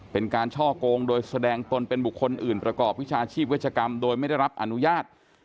เป็นการช่อกงโดยแสดงตนเป็นบุคคลอื่นประกอบวิชาชีพเวชกรรมโดยไม่ได้รับอนุญาต